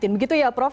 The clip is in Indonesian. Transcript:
begitu ya prof